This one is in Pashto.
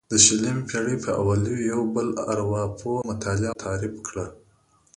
د شلمې پېړۍ په اوایلو یو بل ارواپوه مطالعه او تعریف کړه.